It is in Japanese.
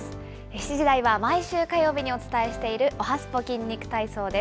７時台は毎週火曜日にお伝えしている、おはＳＰＯ筋肉体操です。